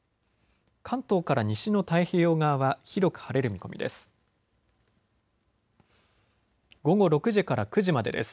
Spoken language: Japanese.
関東から西の太平洋側は広く晴れる見込みです。